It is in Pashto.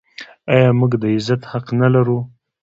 آیا موږ د عزت حق نلرو؟